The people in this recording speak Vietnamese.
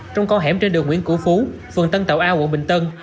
trong con hẻm trên đường nguyễn cửu phú phường tân tàu a quận bình tân